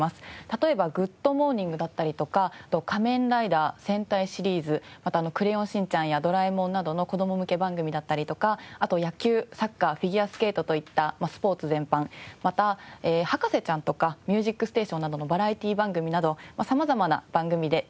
例えば『グッド！モーニング』だったりとか『仮面ライダー』『戦隊』シリーズ『クレヨンしんちゃん』や『ドラえもん』などの子供向け番組だったりとかあと野球サッカーフィギュアスケートといったスポーツ全般また『博士ちゃん』とか『ミュージックステーション』などのバラエティー番組など様々な番組で提供しています。